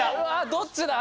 どっちだ？